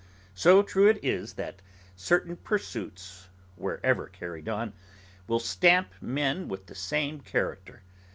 So true it is, that certain pursuits, wherever carried on, will stamp men with the same character.